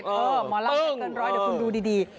หมอรัมอย่างเกินร้อยเดี๋ยวคุณดูดี